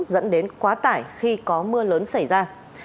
dẫn đến quá tải khi có mưa lớn xảy ra